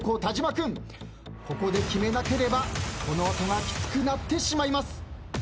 ここで決めなければこの後がきつくなってしまいます。